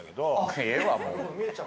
ええわもう。